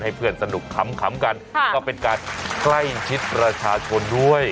เพื่อนสนุกขำกันก็เป็นการใกล้ชิดประชาชนด้วย